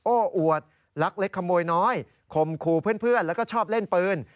อวดลักเล็กขโมยน้อยคมคู่เพื่อนแล้วก็ชอบเล่นปืน